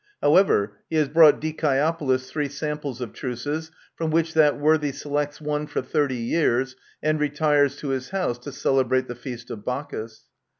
However, he has brought Dicaeopolis three samples of truces, from which that worthy selects one for thirty years, and retires to his house to celebrate the Feast of Bacchus.